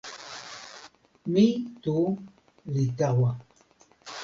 mi tu li tawa.